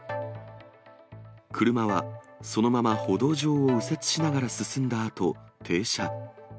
車はそのまま歩道上を右折しながら進んだあと、停車。